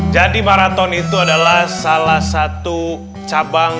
jadi maraton itu adalah salah satu cabang